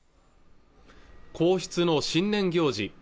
皇室の新年行事